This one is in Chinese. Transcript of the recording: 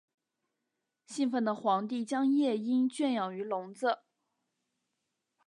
兴奋的皇帝将夜莺圈养于笼子。